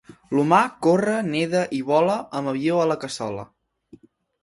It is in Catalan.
L'humà corre neda i vola amb avió a la cassola